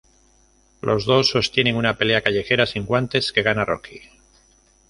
Los dos sostienen una pelea callejera sin guantes, que gana Rocky.